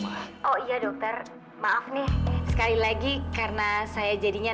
kalian berdua tunggu aja kebenarannya